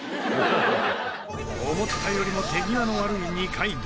思ったよりも手際の悪い二階堂。